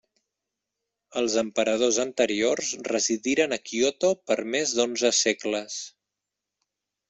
Els emperadors anteriors residiren a Kyoto per més d'onze segles.